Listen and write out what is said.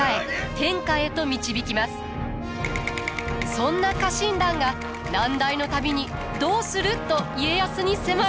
そんな家臣団が難題の度に「どうする」と家康に迫る。